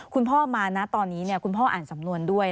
คุณพ่อมานะตอนนี้คุณพ่ออ่านสำนวนด้วย